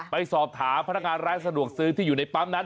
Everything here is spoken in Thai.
ไปสอบถามพนักงานร้านสะดวกซื้อที่อยู่ในปั๊มนั้น